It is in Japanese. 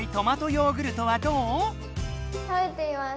食べてみます。